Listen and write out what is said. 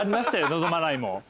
「望まない」も。